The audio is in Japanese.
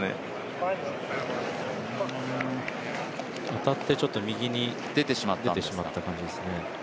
当たってちょっと右に出てしまった感じですね。